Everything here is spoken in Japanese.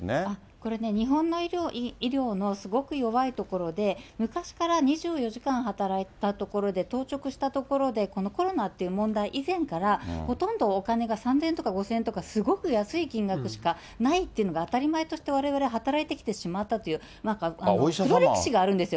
これね、日本の医療のすごく弱いところで、昔から２４時間働いたところで、当直したところで、このコロナという問題以前から、ほとんどお金が、３０００円とか５０００円とか、すごく安い金額しかないっていうのが当たり前として、われわれ働いてきてしまったという黒歴史があるんですよ。